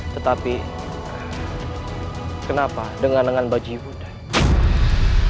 tetapi kenapa dengan lengan baju ibu ren